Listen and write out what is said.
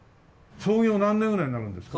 創業何年ぐらいになるんですか？